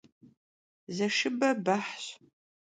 Zeşşıbe behş.